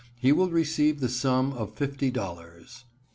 he will receive the sum of fifty dollars ($50.